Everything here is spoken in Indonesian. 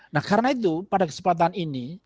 nah karena itu pada kesempatan ini